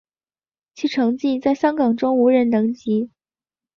其成绩在香港中无人能及。